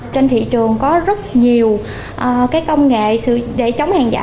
trên thị trường có rất nhiều công nghệ để chống hàng giả